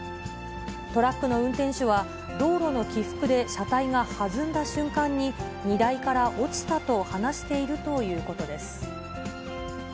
トラックの運転手は、道路の起伏で車体がはずんだ瞬間に、荷台から落ちたと話しているということです。